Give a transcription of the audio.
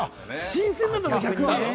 新鮮なんですかね、逆に。